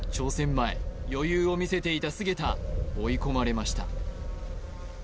前余裕を見せていた菅田追い込まれました